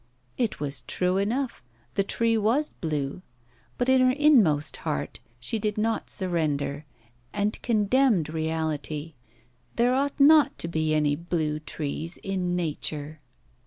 It was true enough, the tree was blue; but in her inmost heart she did not surrender, and condemned reality; there ought not to be any blue trees in nature.